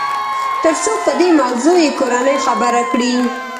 تر څو په دې موضوع يې کورنۍ خبره کړي.